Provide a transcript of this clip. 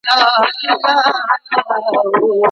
د زړه مساج څنګه ترسره کیږي؟